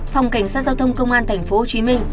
phòng cảnh sát giao thông công an tp hcm